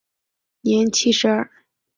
年七十二。